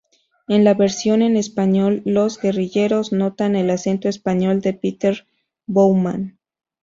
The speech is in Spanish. En la versión en español, los guerrilleros notan el acento español de Peter Bowman.